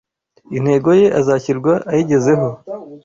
Integoye azashyirwa ayigezeho